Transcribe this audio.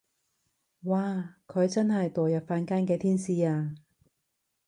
哇佢真係墮入凡間嘅天使啊